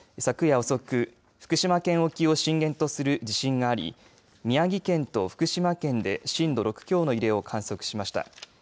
昨夜遅く、福島県沖を震源とする地震があり宮城県と福島県で震度６強の揺れを観測しました。